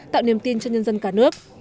tạo niềm tin cho nhân dân cả nước